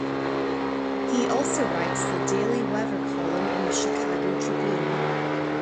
He also writes the daily weather column in the "Chicago Tribune".